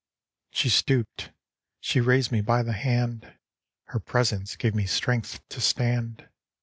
" She stooped, she raised me by the hand ; Her presence gave me strength to stand.